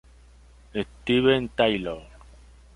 Steve Taylor Jr.